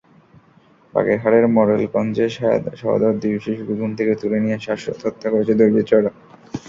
বাগেরহাটের মোরেলগঞ্জে সহোদর দুই শিশুকে ঘুম থেকে তুলে নিয়ে শ্বাসরোেধ হত্যা করেছে দুর্বৃত্তরা।